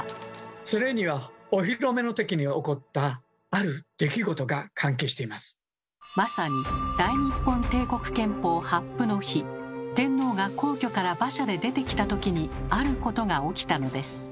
それにはまさに大日本帝国憲法発布の日天皇が皇居から馬車で出てきたときにあることが起きたのです。